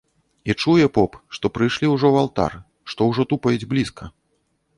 І чуе поп, што прыйшлі ўжо ў алтар, што ўжо тупаюць блізка.